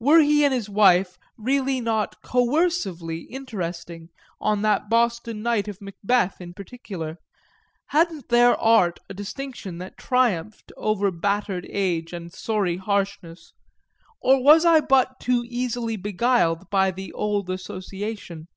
Were he and his wife really not coercively interesting on that Boston night of Macbeth in particular, hadn't their art a distinction that triumphed over battered age and sorry harshness, or was I but too easily beguiled by the old association?